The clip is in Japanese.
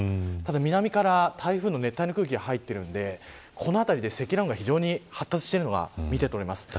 南から台風の熱帯の空気が入っているのでこの辺りで積乱雲が発達してるのが見て取れます。